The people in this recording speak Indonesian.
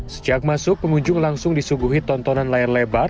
sejak masuk pengunjung langsung disuguhi tontonan layar lebar